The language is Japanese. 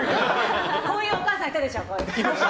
こういうお母さんいたでしょ。